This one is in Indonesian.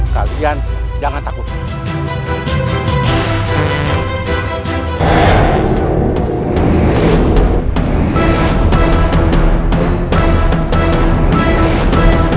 kalian jangan takut